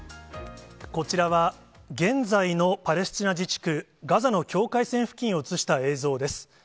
こちらは、現在のパレスチナ自治区ガザの境界線付近を映した映像です。